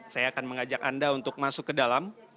saya akan mengajak anda untuk masuk ke dalam